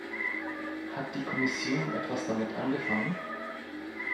Hat die Kommission etwas damit angefangen?